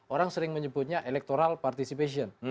orang sering menyebutnya electoral participation